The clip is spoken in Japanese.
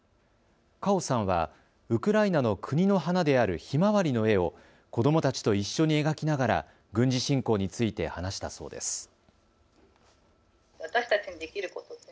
カオさんはウクライナの国の花であるひまわりの絵を子どもたちと一緒に描きながら軍事侵攻について話したそうです。